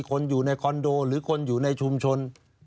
คนอยู่ในคอนโดหรือคนอยู่ในชุมชน